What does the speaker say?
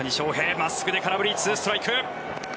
真っすぐで空振り、ストライク。